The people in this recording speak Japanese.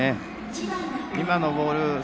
今のボール